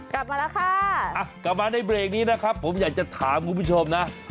กลับมาแล้วค่ะกลับมาในเบรกนี้นะครับผมอยากจะถามคุณผู้ชมนะ